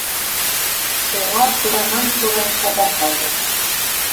Уға туранан-тура хәбәр һалды: